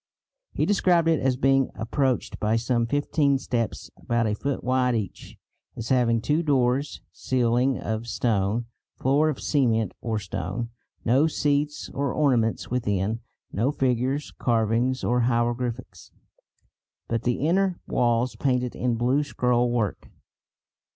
He described it as being approached by some fifteen steps, about a foot wide each; as having two doors, ceiling of stone, floor of cement or stone; no seats or ornaments within, no figures, carvings or hieroglyphics, but the inner walls painted in blue scrollwork.